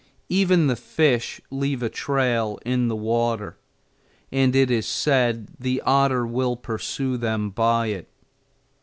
Even the fish leave a trail in the water, and it is said the otter will pursue them by it.